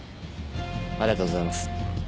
ありがとうございます。